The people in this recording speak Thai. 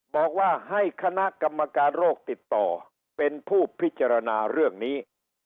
บอกว่าให้คณะกรรมการโรคติดต่อเป็นผู้พิจารณาเรื่องนี้